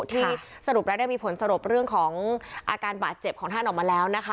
ที่สรุปแล้วได้มีผลสรุปเรื่องของอาการบาดเจ็บของท่านออกมาแล้วนะคะ